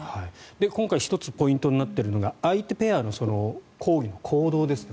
今回１つポイントになっているのが相手ペアの抗議の行動ですね。